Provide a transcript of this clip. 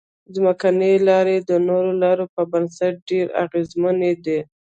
ځمکنۍ لارې د نورو لارو په نسبت ډېرې اغیزمنې دي